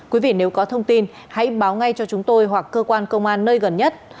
quý vị nếu có thông tin hãy báo ngay cho chúng tôi hoặc cơ quan công an nơi gần nhất